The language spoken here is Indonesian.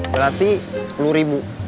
berarti sepuluh ribu